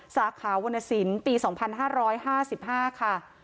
สาขาวรรณสินปี๒๕๕๕ค่ะ